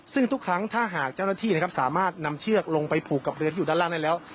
ซึ่งทุกครั้งถ้าหากเจ้าหน้าที่นะครับสามารถนำเชือกลงไปผูกกับเรือที่อยู่ด้านล่างได้แล้ว